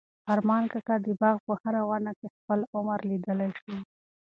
ارمان کاکا د باغ په هره ونه کې خپل عمر لیدلی شو.